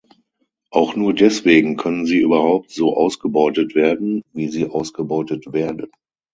Auch nur deswegen können sie überhaupt so ausgebeutet werden, wie sie ausgebeutet werden.